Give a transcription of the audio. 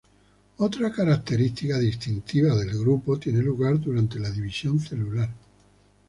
Otra característica distintiva del grupo tiene lugar durante la división celular.